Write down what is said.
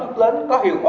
tiếp với các nông nghiệp